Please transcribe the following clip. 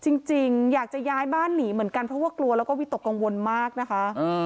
จริงอยากจะย้ายบ้านหนีเหมือนกันเพราะว่ากลัวแล้วก็วิตกกังวลมากนะคะ